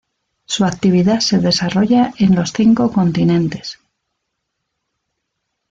Su actividad se desarrolla en los cinco continentes.